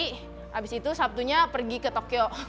habis itu sabtunya pergi ke tokyo